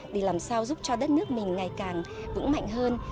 để làm sao giúp cho đất nước mình ngày càng vững mạnh hơn